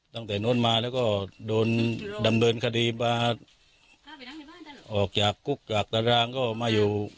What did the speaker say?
ตั้งแต่โน่นมาแล้วก็โดนดำเบิร์นคดีบาทออกจากกุ๊กอักตรางก็มาอยู่